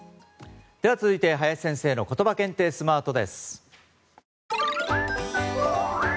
では続いて林先生のことば検定スマートです。